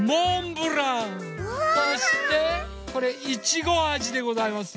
そしてこれいちごあじでございますよ。